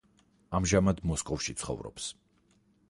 ამჟამად მოსკოვში ცხოვრობს.